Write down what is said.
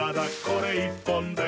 これ１本で」